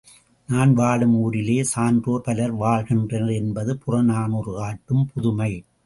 நான் வாழும் ஊரில் சான்றோர் பலர் வாழ் கின்றனர் என்பது புறநானூறு காட்டும் புதுமை.